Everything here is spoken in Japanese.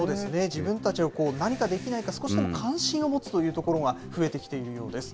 自分たちも何かできないか、少しでも関心を持つというところが増えてきているようです。